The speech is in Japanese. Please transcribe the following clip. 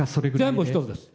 全部１つです。